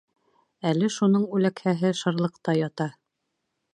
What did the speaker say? Әле шуның үләкһәһе шырлыҡта ята.